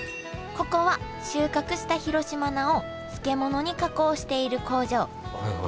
ここは収穫した広島菜を漬物に加工している工場。